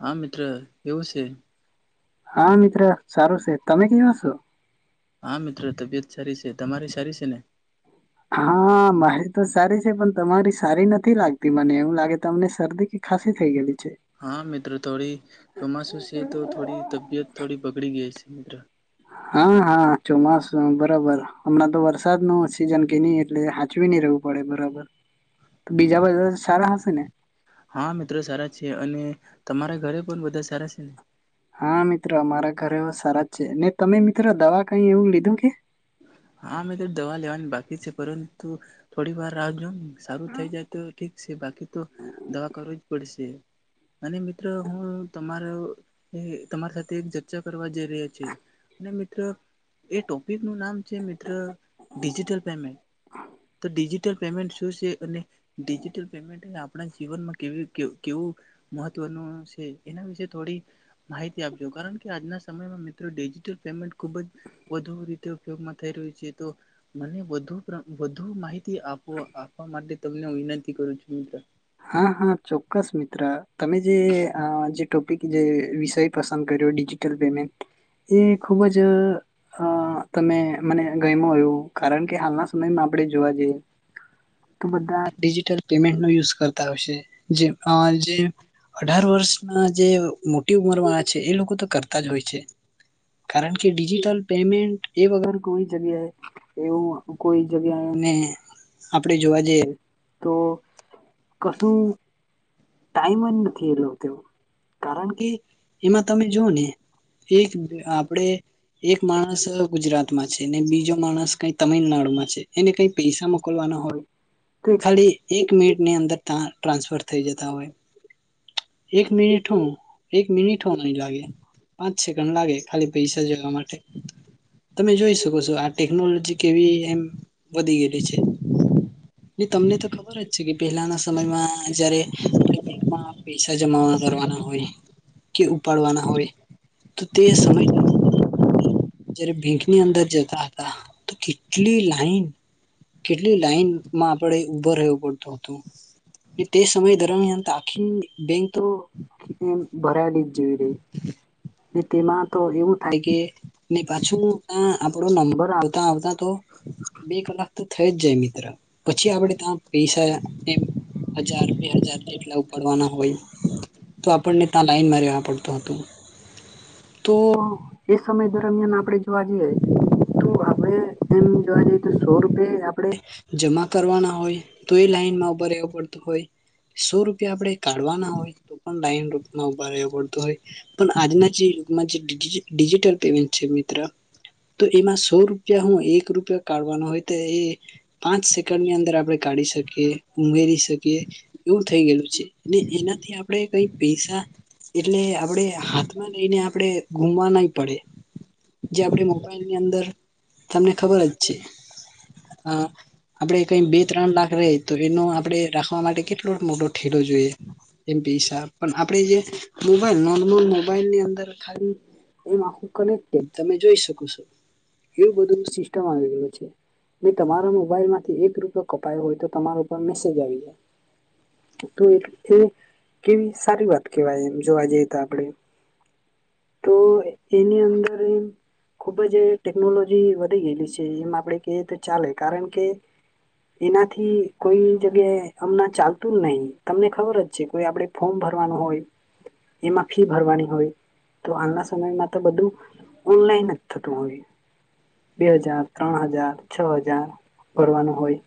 હાં મિત્ર એવું સે. હાં મિત્ર સારું છે. તમે કેવા છો. હા મિત્ર તબિયત સારી છે. તમારી સારી છે ને હા મારી તો સારી છે પણ તમારી સારી નથી લાગતી મને એવું લાગે તમને શરદી કે ખાંસી થઈ ગયેલી છે. હા મિત્ર થોડી ચોમાસું છે તો થોડી તબિયત થોડી બગડી ગઈ છે મિત્ર. હાં હાં ચોમાસું બરાબર હમણાં તો વરસાદનો સિઝન કે નઈ એટલે સાચવીને રેવું પડે બરાબર તો બીજા બધાં સારાં હશે ને હા મિત્ર સારા છે. અને તમારા ઘરે પણ બધાં સારા છે ને હાં મિત્ર અમારાં ઘરે હો સારા જ છે. ને તમે મિત્ર દવા કંઈ એવું લીધું કે હા મેં તો દવા લેવાની બાકી છે પરંતુ થોડી વાર રાહ જોમ સારું થઈ જાય તો ઠીક છે. બાકી તો દવા કરવું જ પડશે. અને મિત્ર હું તમારો તમારી સાથે એક જગ ચર્ચા કરવા જઈ રહ્યા છી. અને મિત્ર એ ટોપિક નું નામ છે મિત્ર ડિજિટલ પેમેન્ટ તો ડિજિટલ પેમેન્ટ શું છે અને ડિજિટલ પેમેન્ટ [unintelligible] આપણાં જીવનમાં કેવી કેવું કેવું મહત્વનું છે. એના વિશે થોડી માહિતી આપજો કારણ કે આજનાં સમયમાં મિત્ર ડિજિટલ પેમેન્ટ ખુબ જ વધુ રી ઉપયોગમાં થઈ રહ્યું છે તો મને વધુ પ્ર વધુ માહિતી આપ આપવા માટે તમને હું વિનંતી કરું છું મિત્ર હાં હાં ચોક્કસ મિત્ર તમે જે અ જે ટોપિક જે વિષય પસંદ કર્યો ડિજિ ડિજિટલ પેમેન્ટ એ ખુબ જ અ તમે મને ગયમુ એવું કારણ કે હાલનાં સમયમાં આપણે જોવાં જઈએ તો બધા ડિજિટલ પેમેન્ટ નો યુઝ કરતા હોય છે જે અ જે અઢાર વર્ષના જે મોટી ઉંમરમાં વાળા છે એ લોકો તો કરતા જ હોય છે. કારણ કે ડિજિટલ પેમેન્ટ એ વગર કોઈ જગ્યાએ એવું કોઈ જગ્યા અને આપણેે જોવા જઈએ તો કશું ટાઈમ જ નથી [unintelligible] તેવો કારણ કે એમાં તમે જોવો ને એક આપણે એક માણસ ગુજરાતમાં છે ને બીજો માણસ કંઈ તમિલનાડુમાં છે એને કઈ પૈસા મોકલવાના હોય તો ખાલી એક મિનિટ ની અંદર [unintelligible] ટ્રાન્સફર થઈ જતાં હોય એક મિનિટ હું એક મિનિટ હો નઈ લાગે પાંચ સેકન્ડ લાગે ખાલી પૈસા [unintelligible] માટે તમે જોઈ શકો છો આટે ટેકનોલોજી કેવી એમ વધી ગયેલી છે. ને તમને તો ખબર જ છે કે પેલાંના સમયમાં જયારે આપણે બેંકમાં પૈસા જમા કરવાના હોય કે ઉપાડવાના હોય તો તે સમય દરમ્યાન જયારે બેંકની અંદર જતાં હતાં તો કેટલી લાઈન કેટલી લાઈનમાં આપણે ઉભા રહેવું પડતું તો એ તે સમય દરમિયાન તાખી બેંક તો એમ ભરાયલી જ જેવી રેય ને તેમાં તો એવું થાય કે ને પાછું ની આ આપણો નંબર આવતા આવતા તો બે કલાક તો થઈ જ જાય મિત્ર પછી આપડે ત્યાં પૈસા એક હજાર બે હજાર જેટલા ઉપાડવાના હોય તો આપણને તાં લાઈનમાં રેવા પડતું હતું. તો એ સમય દરમિયાન આપડે જોવા જઈએ તો આપડે એમ જોવા જઈએ તો સો રૂપયે આપડે જમા કરવાના હોય તો એ લાઈનમાં ઉભા રહેવું પડતુ હોય સો રૂપિયા આપડે કાઢવાના હોય તો પણ લાયન રૂપમાં ઉભા રેવો પડતો હોય. પન આજના જે યુગમાં જે ડિજિ ડિજિટલ પેમેન્ટ છે મિત્ર તો એમાં સો રૂપિયા હું એક રૂપિયો કાઢવાનો હોય તો એ પાંચ સેકન્ડની અંદર આપણે કાઢી શકીએ ઉમેરી શકીએ એવું થઈ ગયેલું છે ને એનાથી આપડે કંઈ પૈસા એટલે આપડે હાથમાં લેઈને આપડે ઘુમવા નઈ પડે જે આપડે મોબાઈલની અંદર તમને ખબર જ છે અ આપડે કકઈ બે ત્રણ લાખ રેય તો એનો આપડે રાખવા માટે કેટલો મોટો ઠેલો જોઈએ એમ પૈસા પન આપડે જે મોબાઈલ નોર્મલ મોબાઈલની અંદર ખાલી એમ આખું કનેક તો તમે જોઈ શકો છો એવું બધું સિસ્ટમ આવી ગ્યુ છે. મેં તમારો મોબાઈલમાંથી એક રૂપિયો કપાયો હોય તો તમારા ઉપર મેસેજ આવી જાય. તો એ કેવી સારી વાત કેવાય એમ જોવા જાઈએ તો આપડે. તો એની અંદર એ ખુબ જ ટેકનોલો જી વધી ગેયલી છે એમ આપડે કેઈએ તો ચાલે કારણ કે એનાથી કોઈ જગ્યાએ અમના ચાલતું જ નઈ તમને ખબર જ કોઈ આપડે ફોર્મ ભરવાનું હોય એમાં ફી ભરવાની હોય તો હાલના સમયમાં તો બધું ઓનલાઈન જ થતુ હોય. બે હજાર, ત્રણ હજાર, છ હજાર ભરવાનું હોય.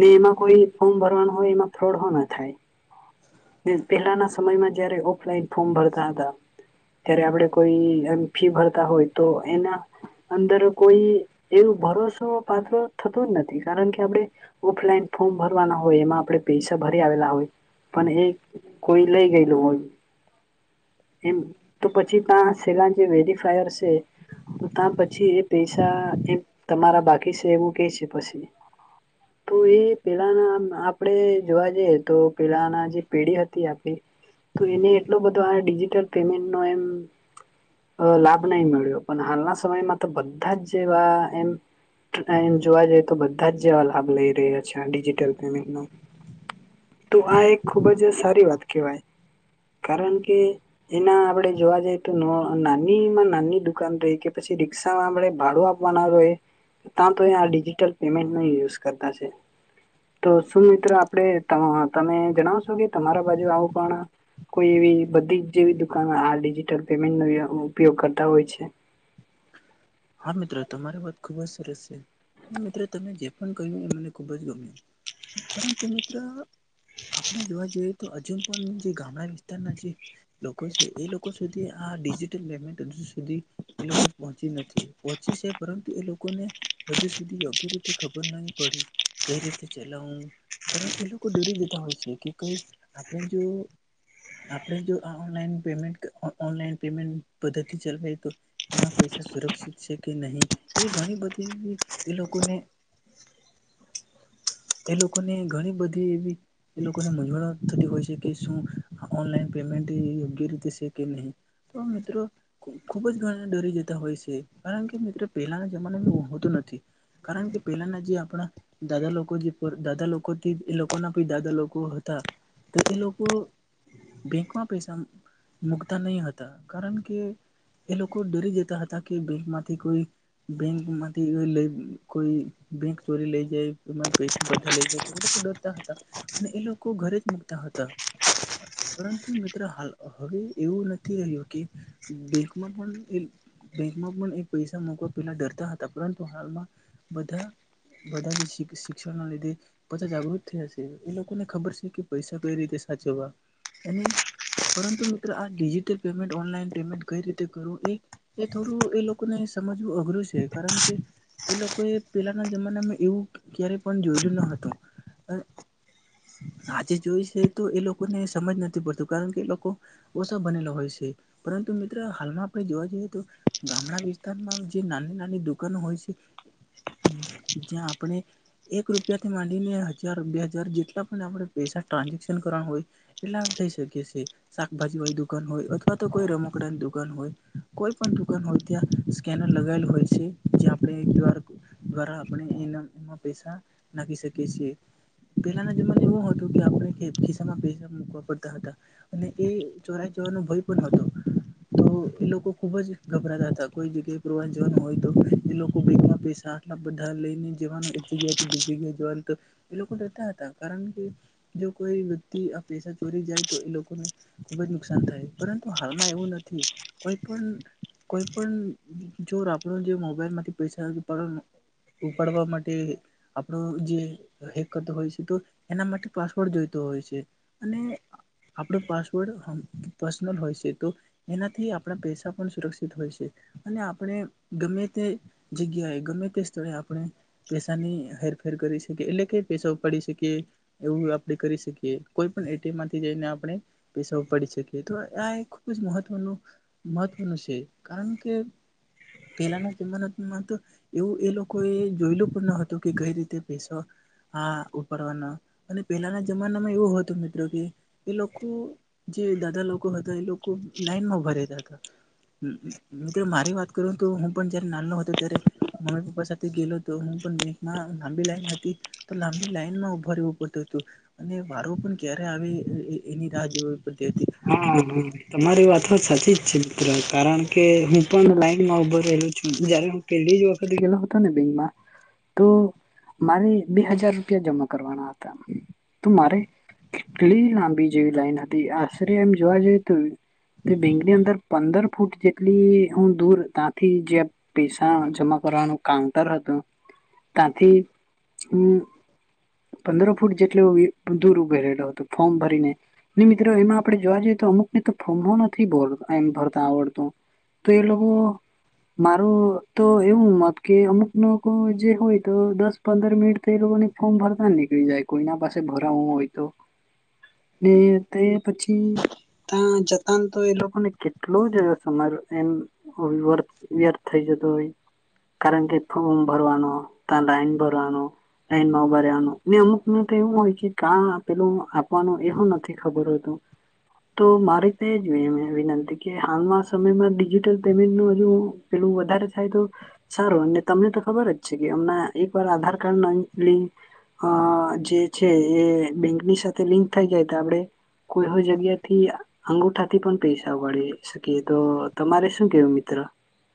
ને એમાં કોઈ ફોર્મ ભરવાનું હોય એમાં ફ્રોડ હો ના થાય. ને પહેલાના સમયમાં જ્યારે ઓફલાઈન ફોર્મ ભરતા હતા. ત્યારે આપડે કોઈ આમ ફી ભરતા હોય તો એના અંદર કોઈ એવું ભરોસો પાત્ર થતું જ નથી કારણ કે આપડે ઓફલાઈન ફોર્મ ભરવાના હોય એમાં આપડે પૈસા ભરી આવેલા હોય પન એ કોઈ લેઈ ગેયલું હોય એમ તો પછી તાં સેલાં જે વેદિ ફાયર સે તો તાં પછી એ પૈસા એ તમારા બાકી સે એવું કેય સે પસી તો એ પેલા ના આ પડે જોવા જઈએ તો પેલાના જે પેઢી હતી આપડી તો એને એટલો બધો આ ડિજિટલ પેમેન્ટ નો એમ લાભ નહીં મળ્યો પણ હાલના સમયમાં તો બધા જ જેવા એમ મ જોવા જઈ તો બધા જ જેવા લાભ લઈ રહ્યા છે ડિજિટલ પેમેન્ટનો તો આ એક ખુબ જ સારી વાત કહેવાય. કારણ કે એના આપડે જોવા જઈએ તો ન નાની માં નાની દુકાન ર કે પછી રી્ષામાં આપણે ભાડું આપવાના રહે ત્યાં તો આ ડિજિટલ પેમેન્ટ ન યુઝ કરતા છે. તો શું મિત્રો આપણે? તમે જણાવશો કે તમારા બાજુ આવું કોણ? એવી જ જેવી દુકાનો આ ડિજિટલ પેમેન્ટ ન ઉપયોગ કરતા હોય છે. હા, મિત્રો તમારી વાત ખુબ જ સરસ છે મિત્રો તમે જે પણ કહ્યું એ મને ખુબ જ ગમ્યું. પરંતુ મિત્ર! આપણે જોવા જઈએ તો અજુન પણ જે ગામડા વિસ્તારના જે લોકો છે એ લોકો સુધી આ ડિજિટલ પેમેન્ટ હજુ સુધી એ લોકો પહોંચી નથી પહોચી છે પરંતુ એ લોકોને હજુ સુધી યોગ્ય રીતે ખબર નહી પડી કઈ રીતે ચલાઉ. પરંત એ લોકો ડરી જતા હોય છે, કે કઈ આપણે જો આપણે જો આ ઓનલાઈન પેમેન્ટ ઓનલાઈન પેમેન્ટ પદ્ધતિ ચાલવાઈ તો? એમાં પૈસા સુરક્ષિત છે, કે નહીં એવી ઘણી બધી એ લોકોને એ લોકોને ઘણી બધી એવી એ લોકોને મજવણ થતી હોય છે, કે શું ઓનલાઈન પેમેન્ટ યોગ્ય રીતે છે, કે નહી? તો મિત્રો. જ ઘણા ડરી જતા છે કારણ કે મિત્રો પહેલાના જમાનામાં હોતોનથી. કારણ કે પહેલા ના જે આપણા દાદા લોકો જે દાદા લોકોથી એ લોકો ના દાદા લોકો હતા તો એ લોકો બેંકમાં પૈસા મુૂકતા નહીં હતા કારણ કે એ લોકો ડરી જતા હતા કે બેક માંથી કોઈ બેંકમાંથી લ કોઈ બેંક ચોરી લઇ જાય [inaudible] પૈસા બધા લઈ ગયા એ લોકો ડરતા હતા અને એ લોકો ઘરે જ મુકતા હતા. પરંતુ મિત્રાલ હવે એવું નથી રહ્યું કે. બેંકમાં પણ એવું બેંકમાં પણ એક પૈસા મકવા પેલા ડરતા હતા પરંતુ હાલમાં બધા બધા જ શી શિક્ષણ ના લીધે બધા જાગૃત થયાશે એ લોકોને ખબર છે, કે પૈસા કઈ રીતે સાચવવા. અને પરંતુ મિત્ર આ ડિજિટલ પેમેન્ટ ઓનલાઈન પમેન્ટ કઈ રીતે કરવું એ, એ થોડું એ લોકોને સમજવું અઘરું છે, કારણ કે એ લોકોએ પેલાના જમાનામાં એવું ક્યારેય પણ જોયલું ન હતું. આજે જોય છે તો એ લોકોને સમજ નથી પડતું કારણ કે એ લોકો ઓછ બનેલો હોય છે, પરંતુ મિત્ર હાલમાં આપણે જોવા જઈએ તો ગામડા વિસ્તારમાં જે નાની નાની દુકાનો હોય છે, જ્યાં [inaudible] [unintelligible] એક રૂપિયાથી માંડીને હજાર બે હજાર જેટલા પણ આપણે પૈસા ટ્રાન્ઝેક્શન કરવાના હોય એટલે થઈ શકીછે. શાકભાજી વાળી દુકાન હોય અથવા તો કોઈ રમકડાની દુકાન હોય કોઈ પણ દુકાન હોય. ત્યા સ્કેૅનર લગેલ હોય છે, જે આપણે ક્યુ આર દ્વારા આપણે એના [unintelligible] એમાં પૈસા નાખી શકે છે. પેલા ના જમા એવું હતું કે આપણે ખિસ્સા માં પૈસા મૂકવા પડતા હતા અને એ ચોરાઈ જવાનો ભય પણ હતો તો એ લોકો ખુબ જ ગભરાતા હતા કોઈ જગ્યાએ પ્રવાસ જવાનું હોય તો એ લોકો બેંકમાં પૈસા એટલા બધા લઈને જવાનું એક જગ્યાથી બી જગ્યા જવાનું તો એ લોકો રહેતા હતા કારણ કે, જો કોઈ વ્યક્તિ આ પૈસા ચોરી જાય તો એ લોકોને ખુબ જ નુકસાન થાય પરંતુ હાલમાં એવું નથી. કોઈ પણ કોઈ પણ ચોર આપણું જે મોબાઈલ માંથી પૈસા ઉપાડવાના ઉપાડવા માટે આપણો જે હેક કરતો હોય છે, તો એના માટે પાસવોર્ડ જોઈતો હોય છે, અને આપણો પાસવર્ડ હમ પર્સનલ હોય છે, તો એનાથી આપણા પૈસા પણ સુરક્ષિત હોય છે, અને આપણે ગમે તે જગ્યાએ ગમે તે સ્થળે આપણે પેસાની હેરફેર કરી શકીએ એટલે કે પૈસા ઉપાડી શકી એવું આપડે કરી શકીએ કોઈ પણ એટીએમ માંથી જઈને આપણે પૈસા ઉપાડી શકીએ તો આ એ ખૂબ જ મહત્વનું મહત્વનું છે કારણ કે, પહેલાના જમાનામાં તો એવું એ લોકો એ જોયેલું પણ ન હતું કે કઈ રીતે પૈસા હા ઉપાડવાના અને પેલાના જમાનામાં એવું હતું મિત્રો કે એ લોકો જે દાદા લોકો હતા એ લોકો લાઈન માં ઉભા રહેતા હતા મિત્રો મારી વાત કરું તો હું પણ જયારે નાનો હતો ત્યારે મમ્મી પપ્પા સાથે ગએલો તો હું પણ બેંકમાં લાંબી લાઈન હતી તો લાંબી લાઈન માં ઉભા રહેવું પડતું હતું અને વારો પણ ક્યારે આવે એ એની રાહ જોવી પડતી હતી. [unintelligible] તમારી વાતો સાચી જ છે મિત્ર કારણ કે હું પણ લાઈન માં ઉભો રહેલું છું જયારે પેલી જ વખતે ગયેલો હતો ને બેંકમાં તો મારે બે હજાર રૂપિયા જમા કરવાના હતા તો મારે કેટલી લાંબી જેવી લાઈન હતી આશરે એમ જોવા જઈએ તો બેંક ની અંદર પંદર ફૂટ જેટલી હું દૂર ત્યાંથી જે પૈસા જમા કરવાનું કાઉન્ટર હતું ત્યાંથી હું પંદર ફૂટ જેટલો દૂર ઉભો રહેલો હતો ફોર્મ ભરીને ને મિત્રો એમાં આપણે જોવા જઈએ તો અમુક ને તો ફોર્મો નથી ભ એમ ભરતા આવડતું તો એ લોકો મારું તો એવું હોત કે અમુક લોકો જે હોય તો દસ પંદર મિનિટ કર્યું ફોમ ભરતા નીકળી જાય કોઈના પાસે ભરાવું હોય તો ને તે પછી ત્યાં જતા તો એ લોકોને કેટલો જ સમર એમ હ વૅથ ર્વ્યથ થઈ જતો હોય. કારણ કે ફોર્મ ભરવાનું કા લાઈન ભરવાનું લાઈન માં ઉભા રેવાનું ને અમુક ને તો એવું હોય કે કા પેલું આપવાનું એવું નથી ખબર હોતુ તો મારે રીતે એવી મેં વિનંતી! કે હાલમાં સમય માં ડિજિટલ પેમેન્ટ નું હજુ પેલું વધારે થાય તો સારું અને તમને તો ખબર જ છે કે અમે એક વાર આધાર કાર્ડ લિંક અ જે છે એ બેંકની સાથે લિંક થઈ જાય તો આપડે કોઈ હો જગ્યા થી અંગુઠાથી પણ પૈસા ઉપાડી એ શકીએ તો તમારે શું કેવું મિત્ર?